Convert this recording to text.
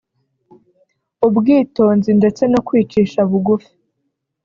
ubwitonzi ndetse no kwicisha bugufi